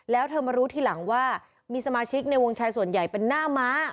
แล้วเธอมารู้ทีหลังว่ามีสมาชิกในวงแชร์ส่วนใหญ่เป็นหน้าม้า